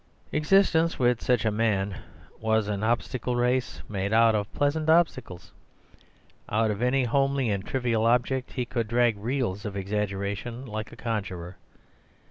Existence with such a man was an obstacle race made out of pleasant obstacles. Out of any homely and trivial object he could drag reels of exaggeration, like a conjurer.